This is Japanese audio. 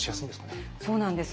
そうなんです。